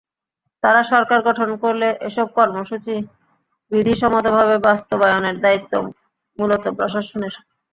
তারা সরকার গঠন করলে এসব কর্মসূচি বিধিসম্মতভাবে বাস্তবায়নের দায়িত্ব মূলত প্রশাসনের।